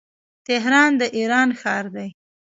تهران د ايران ښار دی.